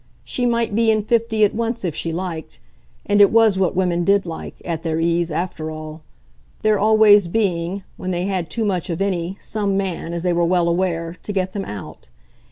She might be in fifty at once if she liked and it was what women did like, at their ease, after all; there always being, when they had too much of any, some man, as they were well aware, to get them out.